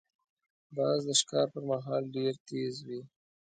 باز د ښکار پر مهال ډېر تیز وي